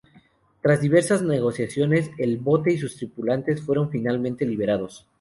Tras diversas negociaciones el bote y sus tripulantes fueron finalmente liberados.